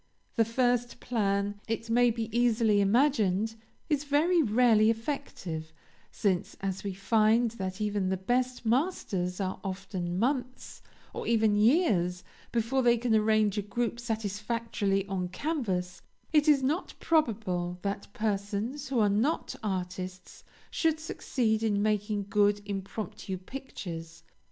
The first plan, it may be easily imagined, is very rarely effective; since, as we find that even the best masters are often months, or even years, before they can arrange a group satisfactorily on canvas, it is not probable that persons who are not artists should succeed in making good impromptu pictures.